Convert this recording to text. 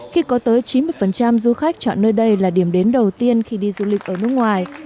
khi có tới chín mươi du khách chọn nơi đây là điểm đến đầu tiên khi đi du lịch ở nước ngoài